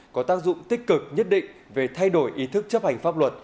có tác dụng tích cực nhất định về thay đổi ý thức chấp hành pháp luật